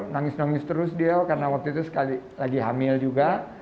nangis nangis terus dia karena waktu itu lagi hamil juga